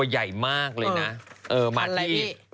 ปลาหมึกแท้เต่าทองอร่อยทั้งชนิดเส้นบดเต็มตัว